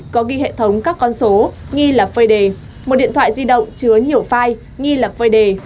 có ghi hệ thống các con số nghi là phơi đề một điện thoại di động chứa nhiều file nghi là phơi đề